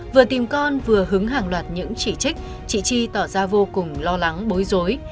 vừa tìm con vừa hứng hàng loạt những chỉ trích chị chi tỏ ra vô cùng lo lắng bối rối